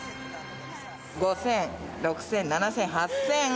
５，０００６，０００７，０００８，０００。